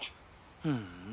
ふん。